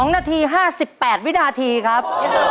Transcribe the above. ๒นาที๕๘วินาทีครับ